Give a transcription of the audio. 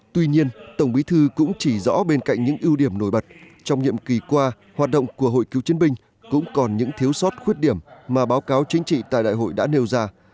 tuy nhiên tổng bí thư cũng chỉ rõ bên cạnh những ưu điểm nổi bật trong nhiệm kỳ qua hoạt động của hội cựu chiến binh cũng còn những thiếu sót khuyết điểm mà báo cáo chính trị tại đại hội đã nêu ra